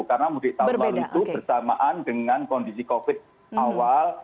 karena mudik tahun lalu itu bersamaan dengan kondisi covid awal